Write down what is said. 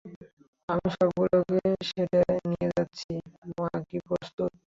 আমি সবগুলিকে সেটে নিয়ে যাচ্ছি, মা কি প্রস্তুত?